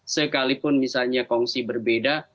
sekalipun misalnya kongsi berbeda